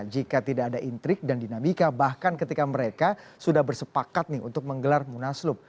jika tidak ada intrik dan dinamika bahkan ketika mereka sudah bersepakat nih untuk menggelar munaslup